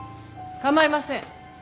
構いません。